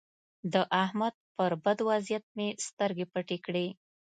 د احمد پر بد وضيعت مې سترګې پټې کړې.